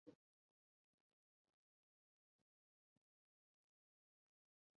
非洲板块在其内部的东部沿着构造和火山活动区阿法尔三角和东非大裂谷发生裂谷作用。